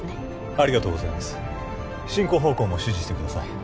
ありがとうございます進行方向も指示してください